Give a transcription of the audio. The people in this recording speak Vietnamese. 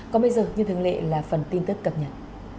còn bây giờ như thường lệ là phần tin tức cập nhật